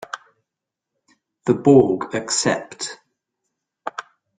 The Borg accept.